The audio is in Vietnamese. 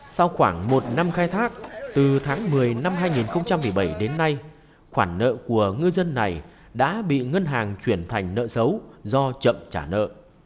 sau khoảng một năm khai thác từ tháng một mươi năm hai nghìn một mươi bảy đến nay khoản nợ của ngư dân này đã bị ngân hàng chuyển thành nợ xấu do chậm trả nợ